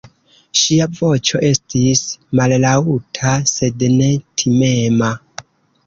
Ŝia voĉo estis mallaŭta, sed ne timema.